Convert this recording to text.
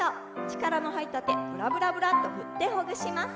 力をの入った手ブラブラブラっと振ってほぐします。